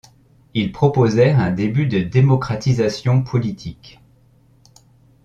Ils proposèrent un début de démocratisation politique.